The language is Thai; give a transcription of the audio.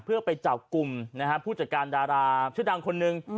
เพื่อไปจับกลุ่มผู้จัดการดาราชื่อดังคนหนึ่ง